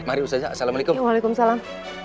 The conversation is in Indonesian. mari ustazah assalamualaikum waalaikumsalam